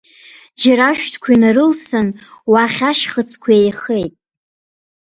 Џьара ашәҭқәа инарылсын, уахь ашьхыцқәа еихеит.